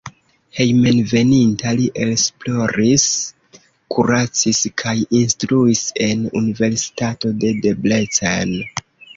Hejmenveninta li esploris, kuracis kaj instruis en universitato de Debrecen.